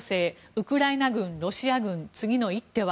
ウクライナ軍、ロシア軍次の一手は？